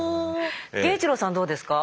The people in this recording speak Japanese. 源一郎さんはどうですか？